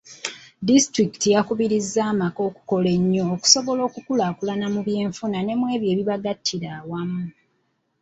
Disitulikiti yakubirizza amaka okukola ennyo okusobola okukulaakulana mu byenfuna ne mw'ebyo ebibagattira awamu.